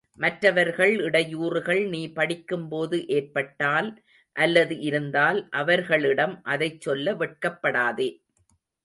மற்றவர்கள் இடையூறுகள் நீ படிக்கும் போது ஏற்பட்டால், அல்லது இருந்தால், அவர்களிடம் அதைச் சொல்ல வெட்கப்படாதே.